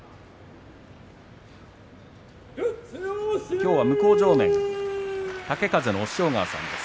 きょう向正面は豪風の押尾川さんです。